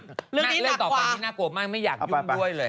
เรื่องนี้หนักกว่ามากไม่อยากยุ่งด้วยเลย